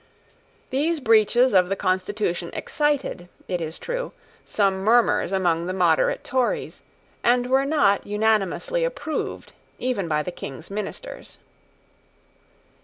These breaches of the constitution excited, it is true, some murmurs among the moderate Tories, and were not unanimously approved even by the King's ministers.